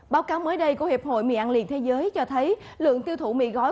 báo cáo mới đây của hiệp hội mì ăn liền thế giới cho thấy lượng tiêu thụ mì gói